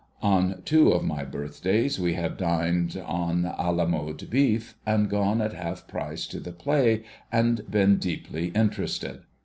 On two of my birthdays, we have dined on ^ la mode beef, and gone at half price to the play, and been deeply interested.